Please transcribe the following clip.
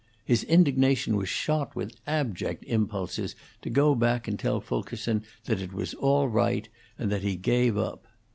His indignation was shot with abject impulses to go back and tell Fulkerson that it was all right, and that he gave up.